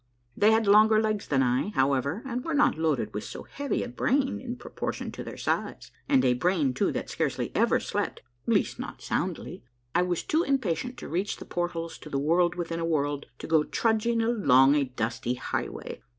They had longer legs than I, however, and were not loaded with so heavy a brain in proportion to their size, and a brain, too, that scarcely ever slept, at least not soundly. I was too impatient to reach the portals to the World within a World to go trudging along a dusty highway.